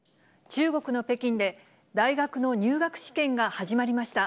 中国の北京で、大学の入学試験が始まりました。